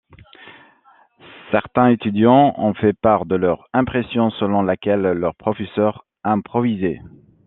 Certains étudiants ont fait part de leur impression selon laquelle leur professeur improvisait.